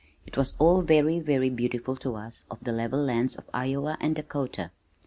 It was all very, very beautiful to us of the level lands of Iowa and Dakota.